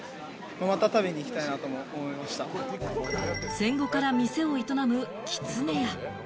戦後から店を営む、きつねや。